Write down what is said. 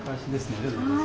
ありがとうございます。